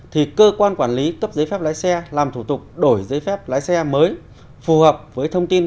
thì cơ quan quản lý cấp giấy phép lái xe làm thủ tục đổi giấy phép lái xe mới phù hợp với thông tin